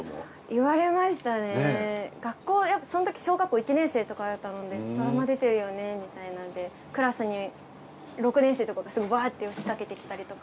言われましたねそのとき小学校１年生とかだったのでドラマ出てるよねみたいなのでクラスに６年生とかがバーッて押しかけてきたりとか。